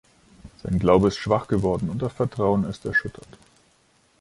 Sein Glaube ist schwach geworden, und das Vertrauen ist erschüttert.